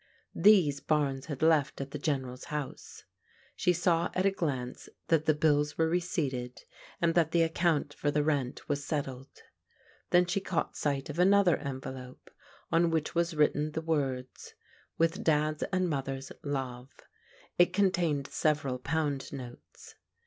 These Barnes had left at the General's house. She saw at a glance that the bills were receipted, and that the account for the rent was settled. Then she caught sight of another envelope on which was written the words " With Dad's and Mother's love." It con tained several pound notes.